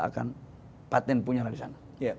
akan patent punya dari sana